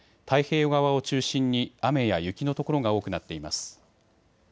太平洋側を中心に雨や雪の所が多くなっています。